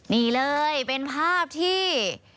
นี่เลยเป็นภาพที่